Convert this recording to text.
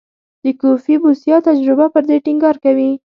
د کوفي بوسیا تجربه پر دې ټینګار کوي.